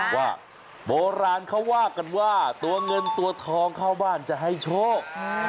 ว่าโบราณเขาว่ากันว่าตัวเงินตัวทองเข้าบ้านจะให้โชค